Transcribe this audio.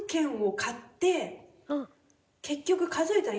結局数えたら。